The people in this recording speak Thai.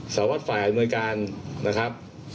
สารวัตรฝ่ายอำนวยการนะครับ